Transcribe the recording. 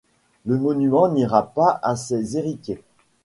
Le monument n'ira pas à ses héritiers.